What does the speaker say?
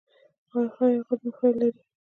ایا هغه زما فایل لري؟